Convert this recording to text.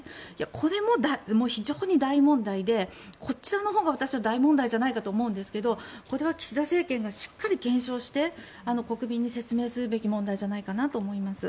これも非常に大問題でこちらのほうが私は大問題じゃないかと思いますがこれは岸田政権がしっかり検証して国民に説明するべき問題じゃないかなと思います。